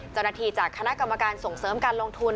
เจ้าหน้าที่จากคณะกรรมการส่งเสริมการลงทุน